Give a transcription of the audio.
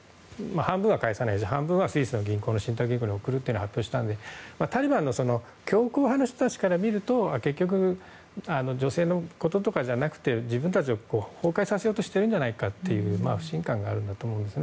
半分は返さないし、半分はスイスの信託銀行に置くと発表したので、タリバンの強硬派の人たちから見ると結局、女性のこととかじゃなくて自分たちを崩壊させようとしてるんじゃないかという不信感があるんだと思います。